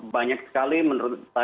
banyak sekali menurut